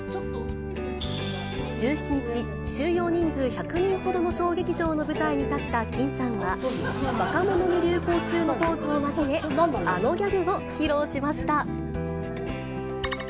１７日、収容人数１００人ほどの小劇場の舞台に立った欽ちゃんは、若者に流行中のポーズを交え、あのギャグを披露しました。